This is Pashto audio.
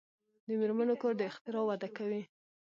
د میرمنو کار د اختراع وده کوي.